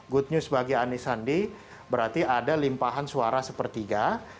good news bagi anisandi berarti ada limpahan suara sepertiga